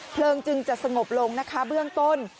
จึงจะสงบลงนะคะเบื้องต้น